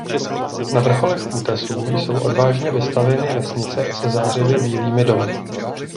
Na vrcholech útesů jsou odvážně vystavěny vesnice se zářivě bílými domy.